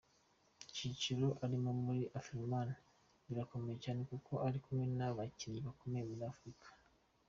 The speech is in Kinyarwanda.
Icyiciro arimo muri Afrimma kirakomeye cyane kuko ari kumwe n’ababyinnyi bakomeye muri Afurika.